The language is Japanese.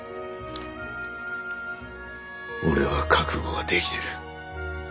俺は覚悟ができてる。